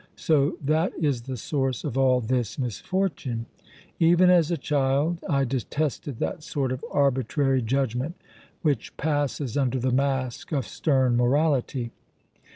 "So that is the source of all this misfortune. Even as a child I detested that sort of arbitrary judgment which passes under the mask of stern morality.